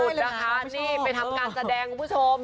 ล่าสุดนะคะนี่เป็นทำการแสดงคุณผู้ชม